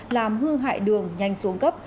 làm hư hại đường nhanh xuống cấp